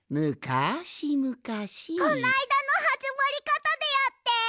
こないだのはじまりかたでやって。